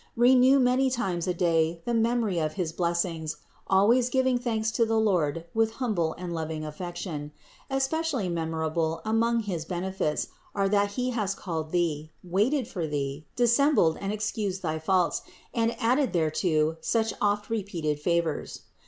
Renew many times a day the memory of his blessings, always giving thanks to the Lord with humble and loving affection. Especially mem orable among his benefits are that He has called thee, waited for thee, dissembled and excused thy faults, and added thereto such oft repeated favors.